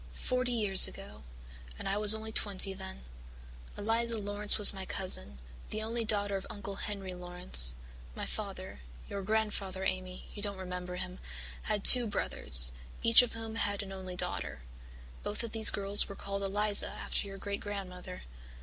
Forty years ago and I was only twenty then. Eliza Laurance was my cousin, the only daughter of Uncle Henry Laurance. My father your grandfather, Amy, you don't remember him had two brothers, each of whom had an only daughter. Both these girls were called Eliza after your great grandmother.